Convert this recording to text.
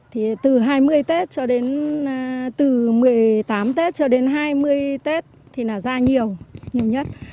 thì từ hai mươi tết cho đến từ một mươi tám tết cho đến hai mươi tết thì là ra nhiều nhiều nhất